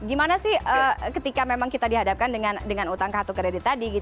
gimana sih ketika memang kita dihadapkan dengan utang kartu kredit tadi